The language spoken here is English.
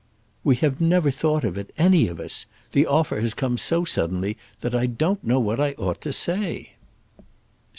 "We have never thought of it, any of us. The offer has come so suddenly that I don't know what I ought to say."